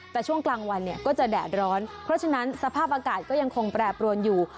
แต่ช่วงกลางวันเนี่ยก็จะแดดร้อนเพราะฉะนั้นสภาพอากาศก็ยังคงแปรปรวนอยู่